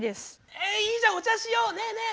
えいいじゃんお茶しようねえねえ！